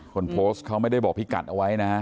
คนโพสต์เขาไม่ได้บอกพี่กัดเอาไว้นะ